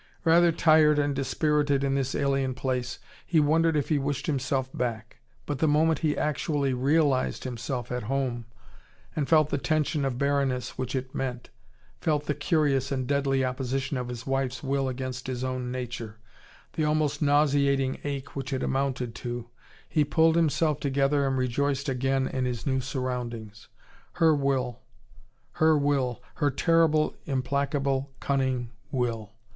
Rather tired and dispirited in this alien place, he wondered if he wished himself back. But the moment he actually realised himself at home, and felt the tension of barrenness which it meant, felt the curious and deadly opposition of his wife's will against his own nature, the almost nauseating ache which it amounted to, he pulled himself together and rejoiced again in his new surroundings. Her will, her will, her terrible, implacable, cunning will!